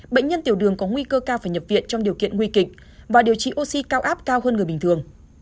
bệnh nhân tiểu đường có nguy cơ cao phải nhập viện trong điều kiện nguy kịch và điều trị oxy cao áp cao hơn người bình thường